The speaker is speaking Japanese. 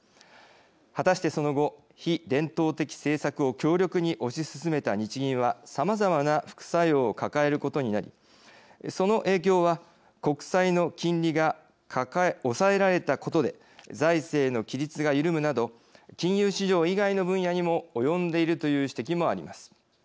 果たしてその後非伝統的政策を強力に推し進めた日銀はさまざまな副作用を抱えることになりその影響は国債の金利が抑えられたことで財政の規律が緩むなど金融市場以外の分野にも及んでいるという指摘もあります。